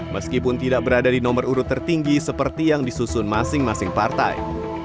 meskipun tidak berada di nomor urut tertinggi seperti yang disusun masing masing partai